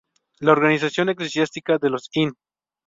La organización eclesiástica de los In.